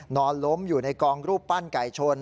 นอนล้มอยู่ในกองรูปปั้นไก่ชน